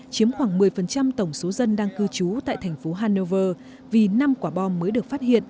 chiếm khoảng một mươi tổng số dân đang cư trú tại thành phố hannever vì năm quả bom mới được phát hiện